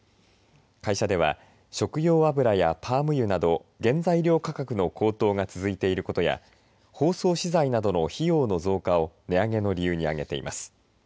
会社では食用油やパーム油など原材料価格の高騰が続いていることや包装資材などの費用の増加を値上げの理由に挙げています。